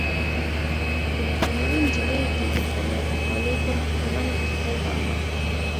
بریتانوۍ نجلۍ دي درته رالېږم، ګرانه د خدای په امان.